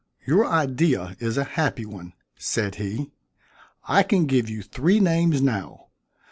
"Your idea is a happy one," said he. "I can give you three names now.